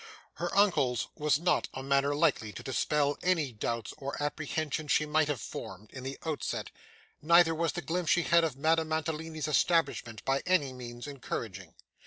Her uncle's was not a manner likely to dispel any doubts or apprehensions she might have formed, in the outset, neither was the glimpse she had had of Madame Mantalini's establishment by any means encouraging.